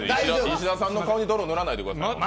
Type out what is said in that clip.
石田さんの顔に泥塗らないでくださいね。